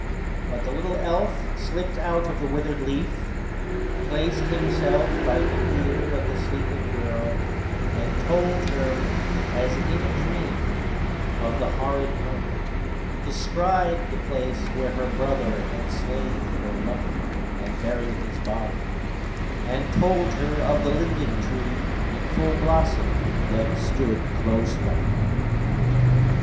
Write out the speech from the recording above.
But the elf slipped out of the withered leaf, placed himself by the ear of the sleeping girl, and told her, as in a dream, of the horrid murder; described the place where her brother had slain her lover, and buried his body; and told her of the linden tree, in full blossom, that stood close by.